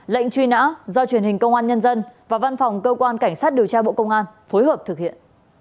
lệnh truy nã do truyền hình công an nhân dân và văn phòng cơ quan cảnh sát điều tra bộ công an phối hợp thực hiện